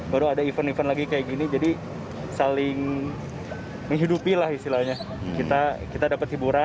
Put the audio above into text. baru ada event lagi kayak gini jadi saling menghidupilah istilahnya kita kita dapat hiburan